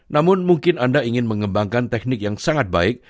namun mungkin anda ingin mengembangkan teknik yang sangat baik